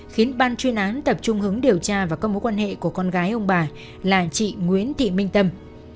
khiến ban chuyên án tập trung hứng điều tra và các mối quan hệ của con gái ông bà là chị nguyễn thị minh tâm